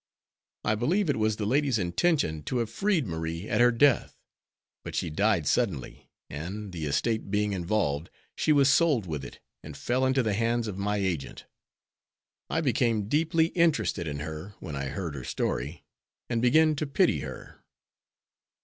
I believe it was the lady's intention to have freed Marie at her death, but she died suddenly, and, the estate being involved, she was sold with it and fell into the hands of my agent. I became deeply interested in her when I heard her story, and began to pity her."